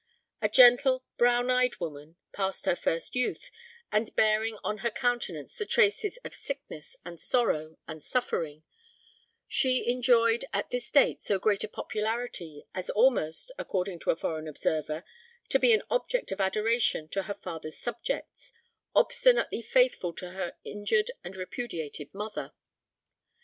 A gentle, brown eyed woman, past her first youth, and bearing on her countenance the traces of sickness and sorrow and suffering, she enjoyed at this date so great a popularity as almost, according to a foreign observer, to be an object of adoration to her father's subjects, obstinately faithful to her injured and repudiated mother.